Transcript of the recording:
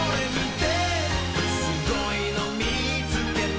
「すごいのみつけた」